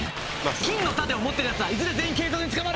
金の盾を持ってるやつはいずれ全員警察に捕まる。